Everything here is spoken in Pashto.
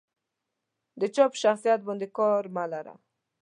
د جا په شخصيت باندې کار مه لره.